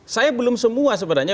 saya belum semua sebenarnya